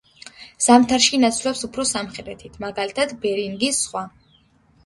ზამთარში ინაცვლებს უფრო სამხრეთით, მაგალითად ბერინგის ზღვა.